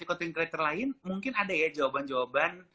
cekotin character lain mungkin ada ya jawaban jawaban